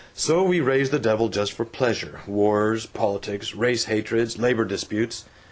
So we raise the devil just for pleasure wars, politics, race hatreds, labor disputes.